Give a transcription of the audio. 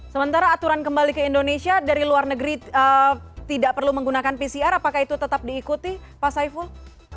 sementara aturan kembali ke indonesia dari luar negeri tidak perlu menggunakan pcr apakah itu tetap diikuti pak saiful